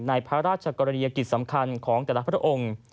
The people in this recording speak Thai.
พระราชกรณียกิจสำคัญของแต่ละพระองค์